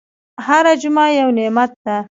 هره جمعه یو نعمت ده.